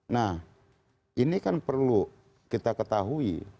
nah ini kan perlu kita ketahui